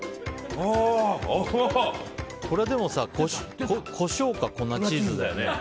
これでもさコショウか粉チーズだよね。